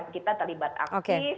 kita terlibat aktif